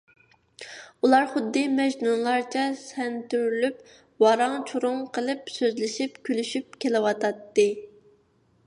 ئۇلار خۇددى مەجنۇنلارچە سەنتۈرۈلۈپ، ۋاراڭ - چۇرۇڭ قىلىپ سۆزلىشىپ - كۈلۈشۈپ كېلىۋاتاتتى.